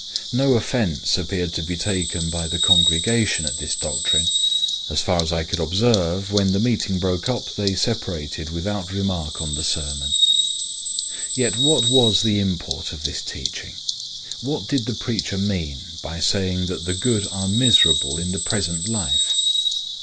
No offence appeared to be taken by the congregation at this doctrine. As far as I could observe when the meeting broke up they separated without remark on the sermon. Yet what was the import of this teaching? What did the preacher mean by saying that the good are miserable in the present life?